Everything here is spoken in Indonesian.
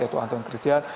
yaitu anton christian